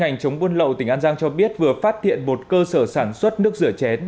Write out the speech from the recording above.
công an chống buôn lậu tỉnh an giang cho biết vừa phát hiện một cơ sở sản xuất nước rửa chén